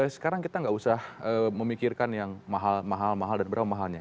sekarang kita nggak usah memikirkan yang mahal mahal mahal dan berapa mahalnya